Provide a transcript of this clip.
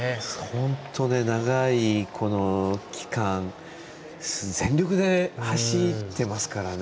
相当、長い期間全力で走ってますからね。